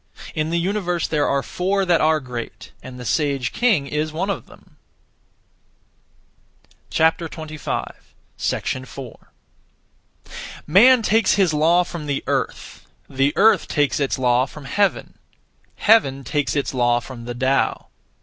In the universe there are four that are great, and the (sage) king is one of them. 4. Man takes his law from the Earth; the Earth takes its law from Heaven; Heaven takes its law from the Tao.